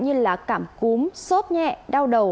như là cảm cúm sốt nhẹ đau đầu